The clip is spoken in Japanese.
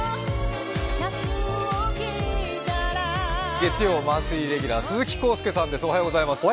月曜マンスリーレギュラー、鈴木浩介さんです。